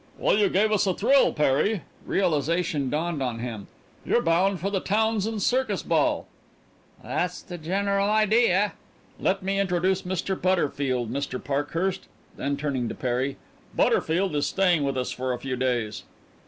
"Well you gave us a thrill, Perry." Realization dawned on him. "You're bound for the Townsends' circus ball." "That's the general idea." "Let me introduce Mr. Butterfield, Mr. Parkhurst." Then turning to Perry; "Butterfield is staying with us for a few days."